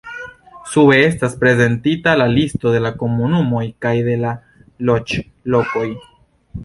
Sube estas prezentita la listo de la komunumoj kaj de la loĝlokoj.